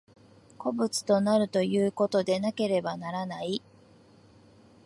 個物となるということでなければならない。